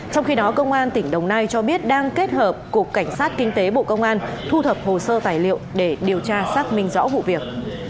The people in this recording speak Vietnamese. trong khi đó công an tỉnh đồng nai cho biết đang kết hợp cục cảnh sát kinh tế bộ công an thu thập hồ sơ tài liệu để điều tra xác minh rõ vụ việc